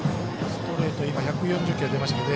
ストレートで１４０キロ出ましたね。